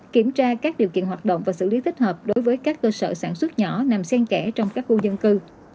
kiểm tra các điều kiện hoạt động và xử lý thích hợp đối với các cơ sở sản xuất nhỏ nằm sen kẽ trong các khu dân cư